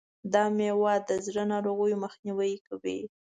دا مېوه د زړه ناروغیو مخنیوی کوي.